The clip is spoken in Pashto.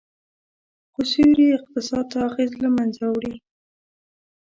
خو سیوري اقتصاد دا اغیز له منځه وړي